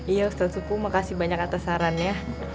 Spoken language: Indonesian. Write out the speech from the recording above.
iya ustaz supu makasih banyak atas saran ya